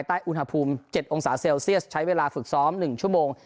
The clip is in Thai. ใต้อุณหภูมิ๗องศาเซลเซียสใช้เวลาฝึกซ้อม๑ชั่วโมง